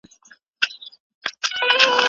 که لارښود نه وي، موږ به لاره ورکه کړو.